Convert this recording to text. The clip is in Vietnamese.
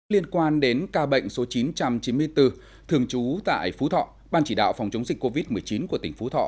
liên quan đến ca bệnh số chín trăm chín mươi bốn thường trú tại phú thọ ban chỉ đạo phòng chống dịch covid một mươi chín của tỉnh phú thọ